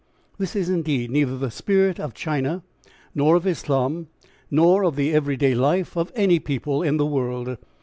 This is indeed neither the spirit of China nor of Islam nor of the every day life of any people in the world.